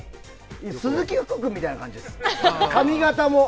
鈴木福君みたいな感じです髪形も。